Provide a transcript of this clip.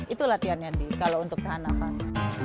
itu latihannya kalau untuk tahan nafas